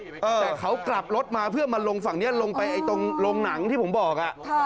แต่เขากลับรถมาเพื่อมาลงฝั่งนี้ลงไปไอ้ตรงโรงหนังที่ผมบอก